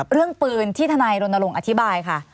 เรื่องปืนที่ทนายรณรงค์อธิบายค่ะ